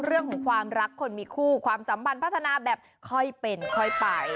เรื่องของความรักคนมีคู่ความสัมพันธ์พัฒนาแบบค่อยเป็นค่อยไป